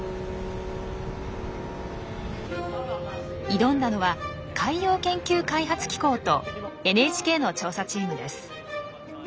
挑んだのは海洋研究開発機構とＮＨＫの調査チームです。